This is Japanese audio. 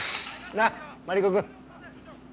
なあマリコ君。